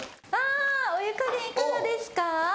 お湯加減いかがですか？